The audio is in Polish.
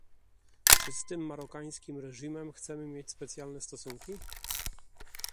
czy z tym marokańskim reżimem chcemy mieć specjalne stosunki?